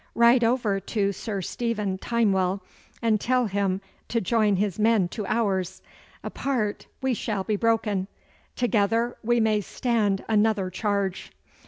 'Ride over to Sir Stephen Timewell and tell him to join his men to ours. Apart we shall be broken together we may stand another charge.